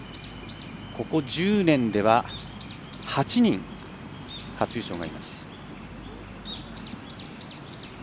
ここ１０年では８人、初優勝があります。